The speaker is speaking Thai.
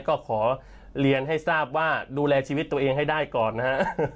ก็ขอเรียนให้ทราบว่าดูแลชีวิตตัวเองให้ได้ก่อนนะฮะ